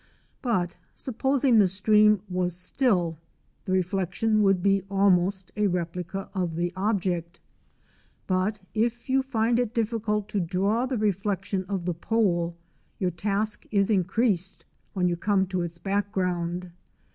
But, supposing the stream was still, the reflection would be almost a replica of the object. But, if you find it difficult to draw the reflection of the pole, your task is increased when you come to its background.